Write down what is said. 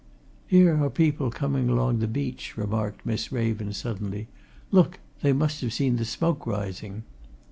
"Here are people coming along the beach," remarked Miss Raven, suddenly. "Look! They must have seen the smoke rising."